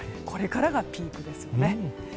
これからがピークですね。